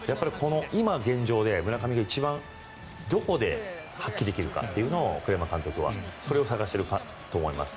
今、現状で村上が一番、どこで発揮できるか栗山監督はそれを探していると思います。